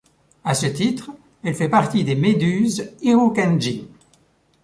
À ce titre, elle fait partie des méduses irukandji.